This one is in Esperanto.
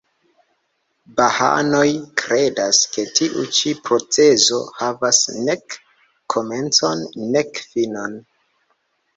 Bahaanoj kredas, ke tiu ĉi procezo havas nek komencon, nek finon.